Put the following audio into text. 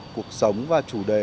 cuộc sống và chủ đề